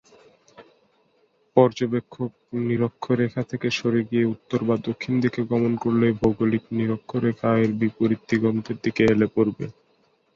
পর্যবেক্ষক নিরক্ষরেখা থেকে সরে গিয়ে উত্তর বা দক্ষিণ দিকে গমন করলে ভৌগোলিক নিরক্ষরেখা এর বিপরীত দিগন্তের দিকে হেলে পড়বে।